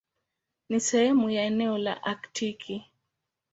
Ni sehemu ya eneo la Aktiki.